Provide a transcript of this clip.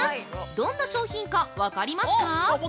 どんな商品か分かりますか？